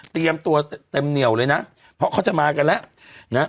ตัวเต็มเหนียวเลยนะเพราะเขาจะมากันแล้วนะฮะ